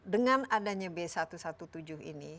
dengan adanya b satu ratus tujuh belas ini